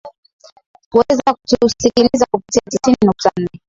weza kutusikiliza kupitia tisini nukta nne